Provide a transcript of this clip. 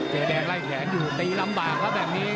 แดงไล่แขนอยู่ตีลำบากครับแบบนี้